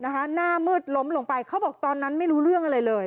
หน้ามืดล้มลงไปเขาบอกตอนนั้นไม่รู้เรื่องอะไรเลย